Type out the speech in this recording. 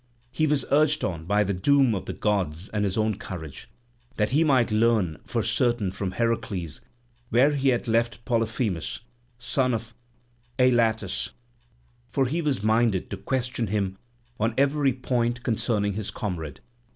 He was urged on by the doom of the gods and his own courage, that he might learn for certain from Heracles where he had left Polyphemus, son of Eilatus; for he was minded to question him on every point concerning his comrade.